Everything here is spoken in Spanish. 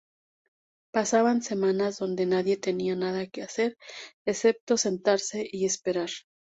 Pasaban semanas donde nadie tenía nada que hacer excepto sentarse y esperar".